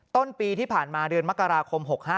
ต้นปีที่ผ่านมาเดือนมกราคม๖๕